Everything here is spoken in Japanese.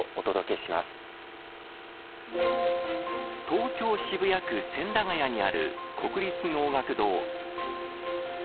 東京・渋谷区千駄ヶ谷にある国立能楽堂。